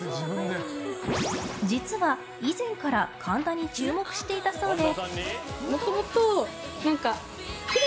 実は、以前から神田に注目していたそうで。